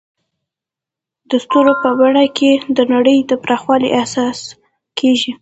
د ستورو په بڼه کې د نړۍ د پراخوالي احساس کېږي.